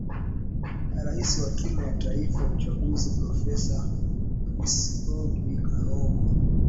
rais wa tume ya taifa uchaguzi profesa kirisorogi karangwa